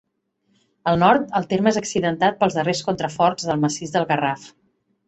Al nord, el terme és accidentat pels darrers contraforts del massís del Garraf.